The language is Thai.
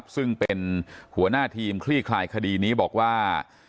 ซึ่งเป็นหัวหน้าทีมคลี่คลายคดีนี้บอกว่า